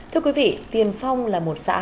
thưa quý vị tiền phong là một xã